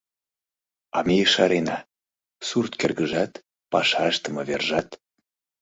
А ме ешарена: сурт-кӧргыжат, паша ыштыме вержат...